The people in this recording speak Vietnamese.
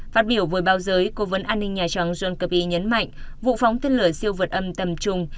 phát biểu với báo giới cố vấn an ninh nhà trắng john kirby nhấn mạnh vụ phóng tên lửa siêu vượt âm tầm trung